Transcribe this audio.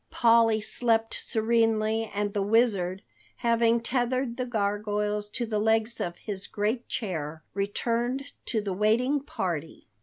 Polly slept serenely and the Wizard, having tethered the gargoyles to the legs of his great chair, returned to the waiting party.